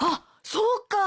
そうか！